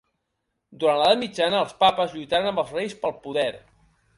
Durant l'edat mitjana, els Papes lluitaren amb els reis pel poder.